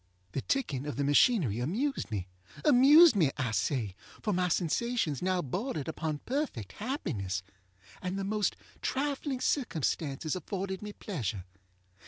The ticking of the machinery amused me. Amused me, I say, for my sensations now bordered upon perfect happiness, and the most trifling circumstances afforded me pleasure.